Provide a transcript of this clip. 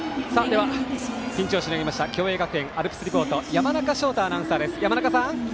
ピンチをしのぎました共栄学園、アルプスリポート山中翔太アナウンサーです。